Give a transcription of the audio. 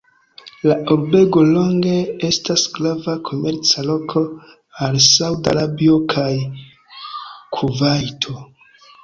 La urbego longe estas grava komerca loko al Sauda Arabio kaj Kuvajto.